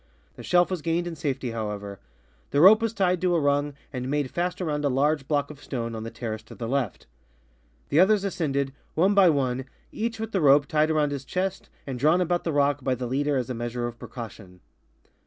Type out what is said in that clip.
The shelf was gained in safety, how ever ; the rope was tied to a rung and made fttst around a large block of stone on the terrace to the left. The others ascended, one by one, each witli the rope tied around liis chest and drawn about the rock by the leader as a measure of precaution.